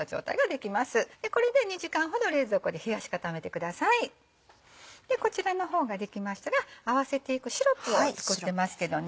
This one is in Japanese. でこちらの方ができましたら合わせていくシロップを作ってますけどね。